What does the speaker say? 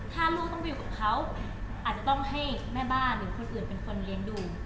ถ้าลูกต้องไปอยู่กับเขาอาจจะต้องให้แม่บ้านหรือคนอื่นเป็นคนเลี้ยงดู